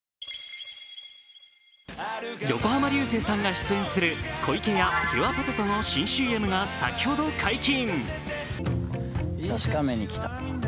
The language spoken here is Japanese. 横浜流星さんが出演する湖池屋ＰＵＲＥＰＯＴＡＴＯの新ＣＭが先ほど解禁。